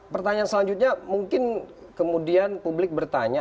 pertanyaan selanjutnya mungkin kemudian publik bertanya